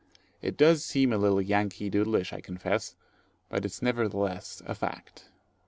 It does seem a little yankee doodlish I confess, but it is nevertheless a fact.